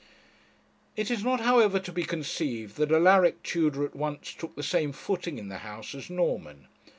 It is not, however, to be conceived that Alaric Tudor at once took the same footing in the house as Norman.